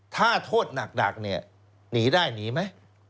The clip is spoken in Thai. ถ้าโทษหนักเนี่ยหนีได้หนีไหม